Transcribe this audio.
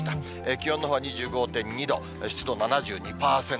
気温のほうは２５．２度、湿度７２％。